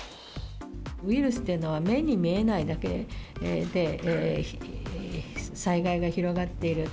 ウイルスっていうのは目に見えないだけで、災害が広がっている。